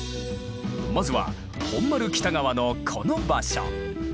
まずは本丸北側のこの場所。